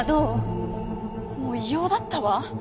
もう異様だったわ。